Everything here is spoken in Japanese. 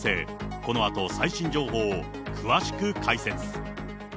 このあと、最新情報を詳しく解説。